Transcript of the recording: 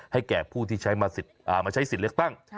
ให้แก่ผู้ที่ใช้สิทธิ์เล็กตั้ง